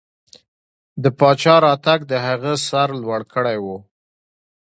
د پاچا راتګ د هغه سر لوړ کړی و.